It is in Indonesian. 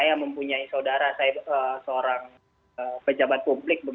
saya mempunyai saudara saya seorang pejabat publik